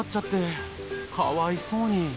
かわいそうに。